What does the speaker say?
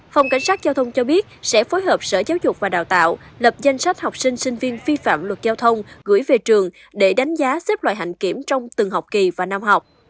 phòng cảnh sát giao thông cho biết sẽ phối hợp sở giáo dục và đào tạo lập danh sách học sinh sinh viên vi phạm luật giao thông gửi về trường để đánh giá xếp loại hãnh kiểm trong từng học kỳ và năm học